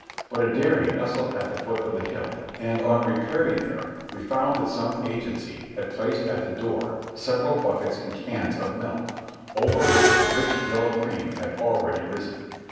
But a dairy nestled at the foot of the hill, and on repairing there we found that some agency had placed at the door several buckets and cans of milk, over which the rich, yel low cream had already risen.